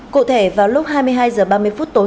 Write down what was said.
cụ thể vào lúc hai mươi hai h ba mươi phút tối